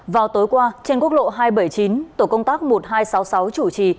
vào tối qua trên quốc lộ hai trăm bảy mươi chín tổ công tác một nghìn hai trăm sáu mươi sáu chủ trì